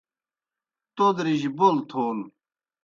تودرِجیْ بول تھون